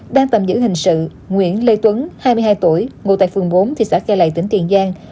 đang tạm giữ hành sự nguyễn lê tuấn hai mươi hai tuổi ngồi tại phường bốn thị xã khe lầy tỉnh tiền giang